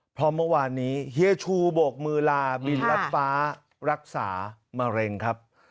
เพราะเมื่อวานนี้เฮียชูโบกมือลาบินรัดฟ้ารักษามะเร็งครับ